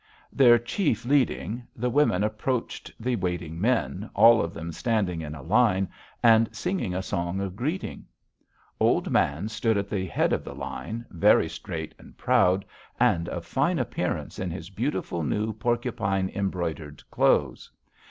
"Their chief leading, the women approached the waiting men, all of them standing in a line, and singing a song of greeting. Old Man stood at the head of the line, very straight and proud, and of fine appearance in his beautiful new porcupine embroidered clothes.